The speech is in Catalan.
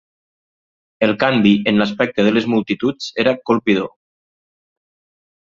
El canvi en l'aspecte de les multituds era colpidor.